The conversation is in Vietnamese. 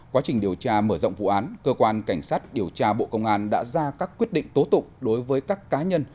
quá trình điều tra mở rộng vụ án cơ quan cảnh sát điều tra bộ công an đã ra các quyết định tố tụng đối với các cá nhân